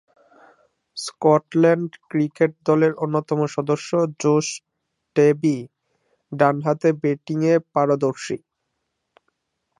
Scotland cricket দলের অন্যতম সদস্য জোশ ডেভি ডানহাতে ব্যাটিংয়ে পারদর্শী।